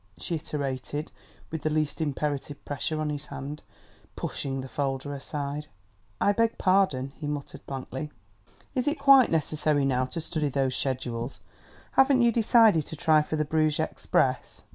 she iterated, with the least imperative pressure on his hand, pushing the folder aside. "I beg pardon?" he muttered blankly. "Is it quite necessary, now, to study those schedules? Haven't you decided to try for the Bruges express?"